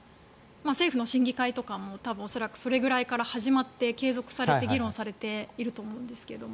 政府の審議会とかも恐らくそれぐらいから始まって継続されて議論されていると思いますが。